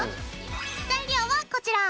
材料はこちら！